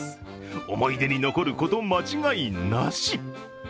思い出に残ること、間違いなし。